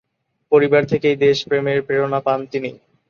পরিবার থেকেই দেশ প্রেমের প্রেরণা পান তিনি।